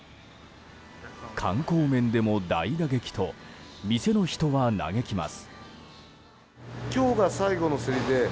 観光面でも大打撃と店の人は嘆きます。